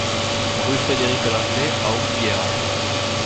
Rue Frédéric Lenglet à Homblières